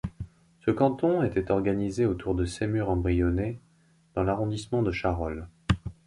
Ce canton était organisé autour de Semur-en-Brionnais dans l'arrondissement de Charolles.